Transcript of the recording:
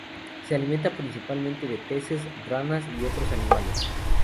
Se alimenta principalmente de peces, ranas y otros animales.